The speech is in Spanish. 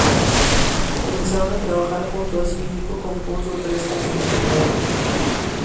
Comenzaron a trabajar juntos y Nikos compuso tres canciones para ella.